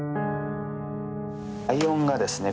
ライオンがですね